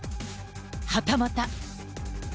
はたまた。